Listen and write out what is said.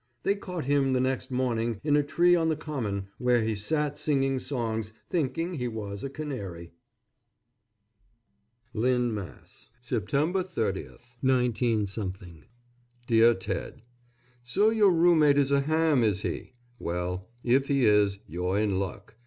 They caught him the next morning, in a tree on the common, where he sat singing songs, thinking he was a canary. LYNN, MASS., _September 30, 19 _ DEAR TED: So your roommate is a ham, is he? Well, if he is, you're in luck.